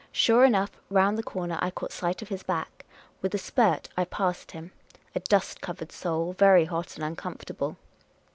Sure enough, round the corner I caught sight of his back. With a spurt, I passed him — a dust covered soul, very hot and uncomfortable.